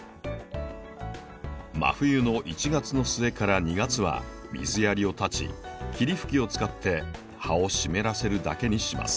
真冬の１月の末から２月は水やりを断ち霧吹きを使って葉を湿らせるだけにします。